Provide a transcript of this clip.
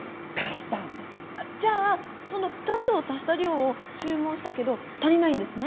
じゃあその２つを足した量をちゅう文したけど足りないんですね？